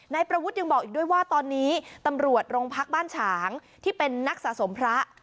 นายประวุฒิยังบอกอีกด้วยว่าตอนนี้ตำรวจโรงพักบ้านฉางที่เป็นนักสะสมพระ